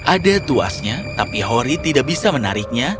ada tuasnya tapi hori tidak bisa menariknya